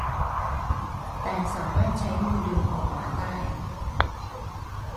แต่สามารถใช้มือดึงออกมาได้